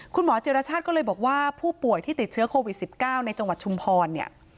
คุณหมอจิรชาติก็เลยบอกว่าผู้ป่วยที่ติดเชื้อโควิด๑๙ในจังหวัดชุมพรเนี่ย